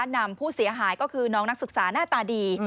นำผู้เสียหายก็คือน้องนักศึกษาหน้าตาดี